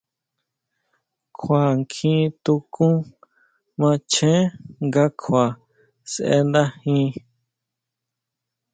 Kjua kjí tukún macheén nga kjua sʼendajin.